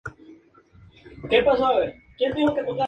Realmente no tienen mucha emoción.